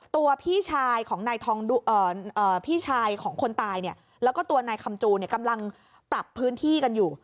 ตัวพี่ชายของนายพี่ชายของคนตายเนี่ยแล้วก็ตัวนายคำจูเนี่ยกำลังปรับพื้นที่กันอยู่